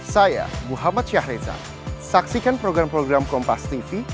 saya muhammad syahrezan saksikan program program kompastv